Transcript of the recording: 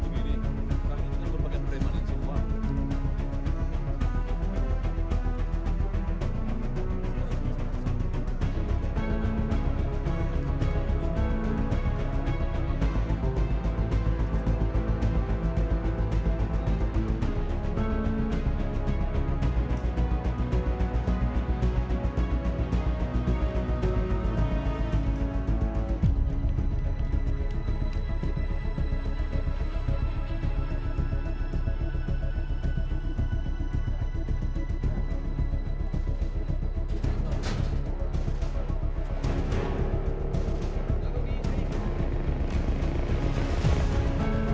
terus akan di masjid mos lantas play opera